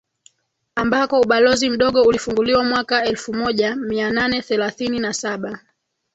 ambako ubalozi mdogo ulifunguliwa mwaka elfumoja mianane thelathini na Saba